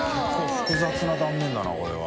觜複雑な断面だなこれは。